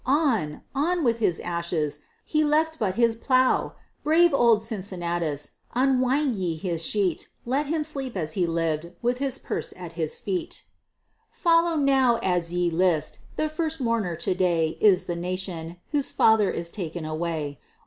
On! on with his ashes! HE LEFT BUT HIS PLOUGH! Brave old Cincinnatus! Unwind ye his sheet! Let him sleep as he lived with his purse at this feet! Follow now, as ye list! The first mourner to day Is the nation whose father is taken away!